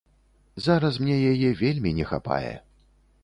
Зараз мне яе вельмі не хапае.